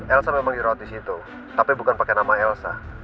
elsa memang dirawat di situ tapi bukan pakai nama elsa